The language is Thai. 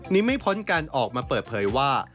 ไม่พ้นการออกมาเปิดเผยว่า